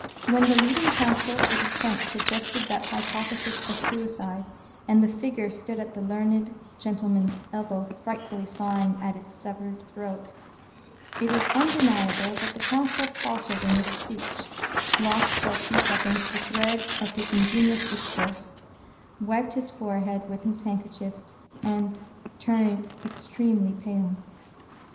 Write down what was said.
When the leading counsel for the defence suggested that hypothesis of suicide, and the figure stood at the learned gentleman's elbow, frightfully sawing at its severed throat, it is undeniable that the counsel faltered in his speech, lost for a few seconds the thread of his ingenious discourse, wiped his forehead with his handkerchief, and turned extremely pale.